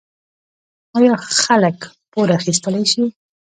آیا خلک پور اخیستلی شي؟